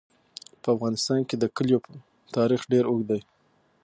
په افغانستان کې د کلیو تاریخ ډېر اوږد دی.